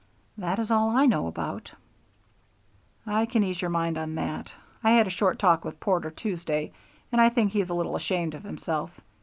"That is all I know about." "I can ease your mind on that. I had a short talk with Porter Tuesday, and I think he's a little ashamed of himself.